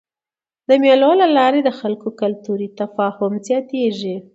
د مېلو له لاري د خلکو کلتوري تفاهم زیاتېږي.